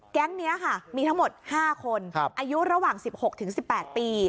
แก๊งนี้ค่ะมีทั้งหมด๕คนอายุระหว่าง๑๖๑๘ปี